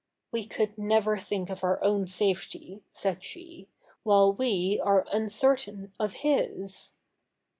'We could never think of our own safety,' said she, 'while we are uncertain of his.